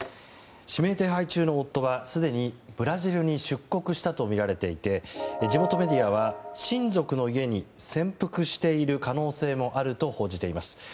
指名手配中の夫はすでにブラジルに出国したとみられていて地元メディアは親族の家に潜伏している可能性もあると報じています。